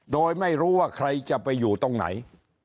โดยไม่รู้ว่าใครจะไปอยู่ตรงไหน